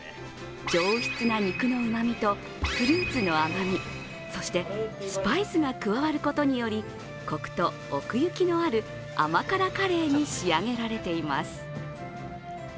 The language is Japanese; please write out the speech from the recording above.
上質な肉のうまみとフルーツの甘み、そしてスパイスが加わることにより、コクと奥行きのある甘辛カレーに仕上げられています。